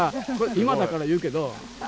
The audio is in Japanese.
今だから言うけど。